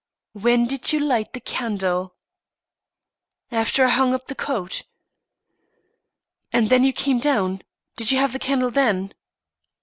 "When did you light the candle?" "After I hung up the coat." "And when you came down? Did you have the candle then?"